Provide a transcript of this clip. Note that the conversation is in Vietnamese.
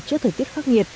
trước thời tiết khắc nghiệt